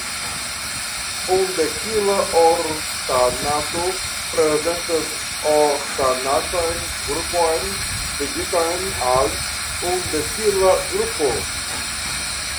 Undekila oktanato prezentas oktanatan grupon ligitan al undekila grupo.